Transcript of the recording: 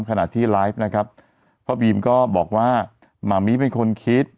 ขณะที่ไลฟ์นะครับพ่อบีมก็บอกว่าหมามีเป็นคนคิด